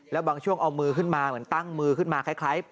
แล้วบางช่วงเอามือขึ้นมาเหมือนตั้งมือขึ้นมาคล้าย